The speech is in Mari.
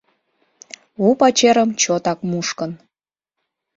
У пачерым чотак мушкын.